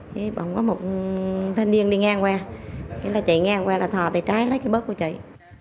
chị bảo có một thân niên đi ngang qua chạy ngang qua là thò tay trái lấy cái bớt của chị